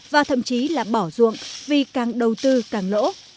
và thậm chí là bỏ ruộng vì càng đầu tư càng lỗ